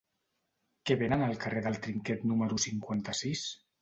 Què venen al carrer del Trinquet número cinquanta-sis?